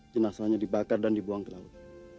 jenazahnya dibakar dan dibuang ke laut